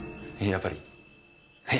やっぱりな。